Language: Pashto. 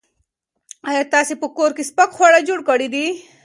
ایا تاسو په کور کې سپک خواړه جوړ کړي دي؟